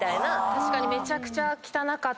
確かに。